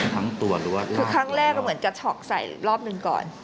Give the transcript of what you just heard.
ทั้งตัวหรือว่าคือครั้งแรกก็เหมือนจะช็อกใส่รอบหนึ่งก่อน